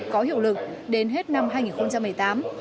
có hiệu lực đến hết năm hai nghìn một mươi tám